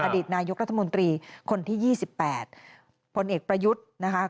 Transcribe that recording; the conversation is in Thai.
อดีตนายกรัฐมนตรีคนที่๒๘ผลเอกประยุทธ์นะคะ